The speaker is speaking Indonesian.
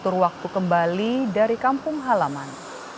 mengatur waktu kembali dari kampung halaman